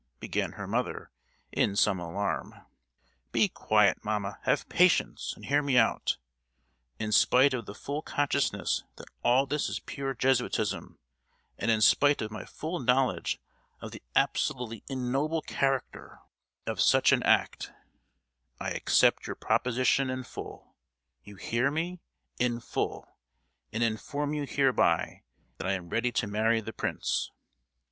began her mother, in some alarm. "Be quiet, mamma; have patience, and hear me out. In spite of the full consciousness that all this is pure Jesuitism, and in spite of my full knowledge of the absolutely ignoble character of such an act, I accept your proposition in full,—you hear me—in full; and inform you hereby, that I am ready to marry the prince.